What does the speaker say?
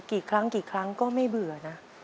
กี่ครั้งกี่ครั้งก็ไม่เบื่อนะ